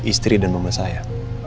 istri dan mama saya